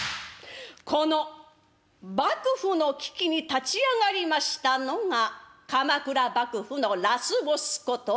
この幕府の危機に立ち上がりましたのが鎌倉幕府のラスボスこと